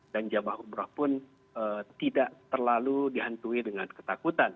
dan jambah umrah pun tidak terlalu dihantui dengan ketakutan